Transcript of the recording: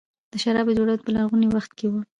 د شرابو جوړول په لرغوني وخت کې وو